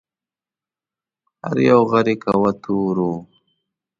هر یو غر یې کوه طور و